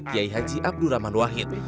kiai haji abdurrahman wahid